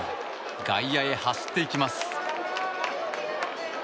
外野へ走っていきます。